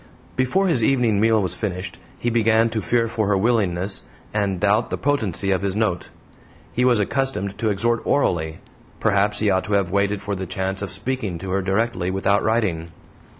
Before his evening meal was finished he began to fear for her willingness, and doubt the potency of his note. He was accustomed to exhort ORALLY perhaps he ought to have waited for the chance of SPEAKING to her directly without writing.